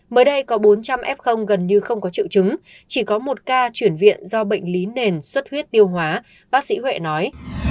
mới đây có bốn trăm linh f gần như không có triệu chứng chỉ có một ca chuyển viện do bệnh lý nền xuất huyết tiêu hóa bác sĩ huệ nói